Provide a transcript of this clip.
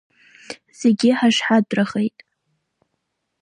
Зегьы ҳашҳатәрахеит.